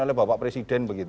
oleh bapak presiden begitu